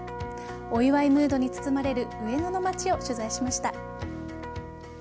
お祝いムードに包まれる上野の街を取材しました。